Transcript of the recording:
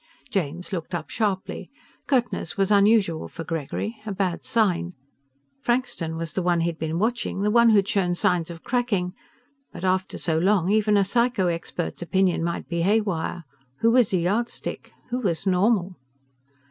James looked up sharply. Curtness was unusual for Gregory, a bad sign. Frankston was the one he'd been watching, the one who'd shown signs of cracking, but after so long, even a psycho expert's opinion might be haywire. Who was a yardstick? Who was normal?